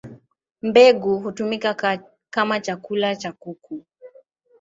Mbegu hutumika kama chakula cha kuku.